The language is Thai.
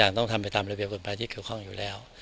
ต้องทำไปตามระเบียกฎหมายที่เกี่ยวข้องอยู่แล้ว